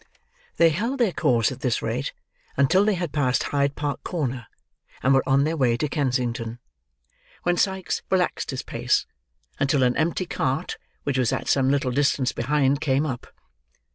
They held their course at this rate, until they had passed Hyde Park corner, and were on their way to Kensington: when Sikes relaxed his pace, until an empty cart which was at some little distance behind, came up.